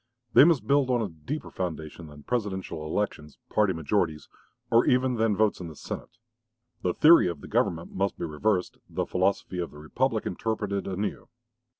They must build on a deeper foundation than Presidential elections, party majorities, or even than votes in the Senate. The theory of the government must be reversed, the philosophy of the republic interpreted anew.